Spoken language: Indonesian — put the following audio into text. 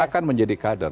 akan menjadi kader